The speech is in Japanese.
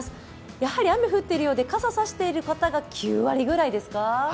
やはり雨が降っているようで、傘を差している方は９割ぐらいですか。